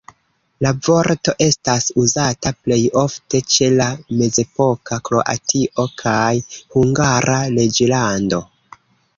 La vorto estas uzata plej ofte ĉe la mezepoka Kroatio kaj Hungara Reĝlando.